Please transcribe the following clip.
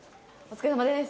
お疲れさまです。